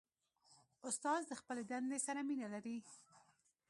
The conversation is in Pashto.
استاد د خپلې دندې سره مینه لري.